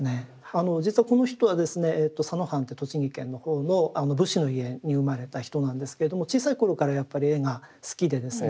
あの実はこの人はですね佐野藩という栃木県の方の武士の家に生まれた人なんですけれども小さい頃からやっぱり絵が好きでですね